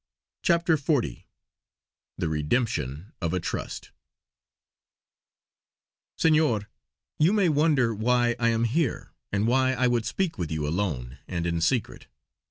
CHAPTER XL THE REDEMPTION OF A TRUST "Senor, you may wonder why I am here, and why I would speak with you alone and in secret.